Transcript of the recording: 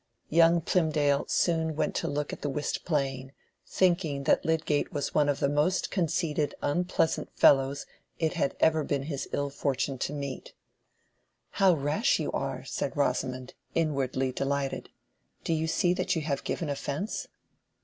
Young Plymdale soon went to look at the whist playing, thinking that Lydgate was one of the most conceited, unpleasant fellows it had ever been his ill fortune to meet. "How rash you are!" said Rosamond, inwardly delighted. "Do you see that you have given offence?"